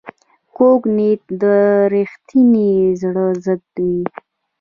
کوږ نیت د رښتیني زړه ضد وي